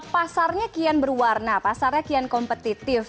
pasarnya kian berwarna pasarnya kian kompetitif